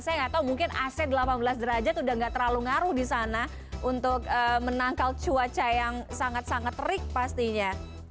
saya nggak tahu mungkin ac delapan belas derajat udah gak terlalu ngaruh di sana untuk menangkal cuaca yang sangat sangat terik pastinya